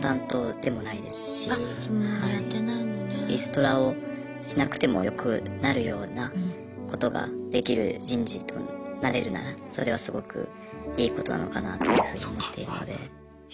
リストラをしなくてもよくなるようなことができる人事となれるならそれはすごくいいことなのかなというふうに思っているので。